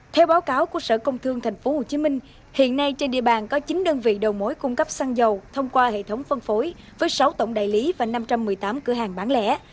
theo báo cáo của sở công thương tp hcm hiện nay trên địa bàn có chín đơn vị đầu mối cung cấp xăng dầu thông qua hệ thống phân phối với sáu tổng đại lý và năm trăm một mươi tám cửa hàng bán lẻ